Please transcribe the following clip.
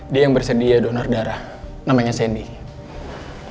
dia yang bersedia donor darah namanya sandy